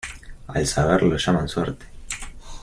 Al saber lo llaman suerte.